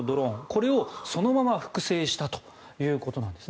これをそのまま複製したということです。